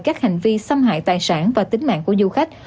các hành vi xâm hại tài sản và tính mạng của du khách